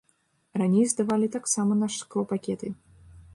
Раней здавалі таксама на шклопакеты.